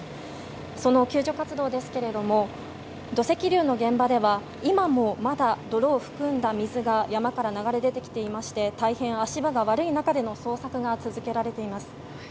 その救助活動ですが土石流の現場では今もまだ泥を含んだ水が山から流れ出てきていまして大変足場が悪い中での捜索が続けられています。